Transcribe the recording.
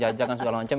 itu kita tunggu kapan